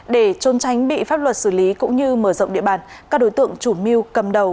để trôn tránh bị pháp luật xử lý cũng như mở rộng địa bàn các đối tượng chủ mưu cầm đầu